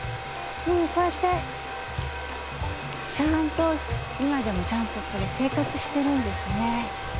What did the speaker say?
こうやってちゃんと今でもちゃんとここで生活してるんですね。